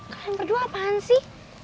kalian berdua apaan sih